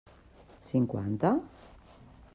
Cinquanta?